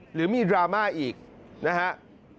มีดราม่าอีกนะครับ